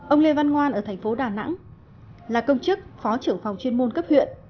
ông lê văn ngoan ở thành phố đà nẵng là công chức phó trưởng phòng chuyên môn cấp huyện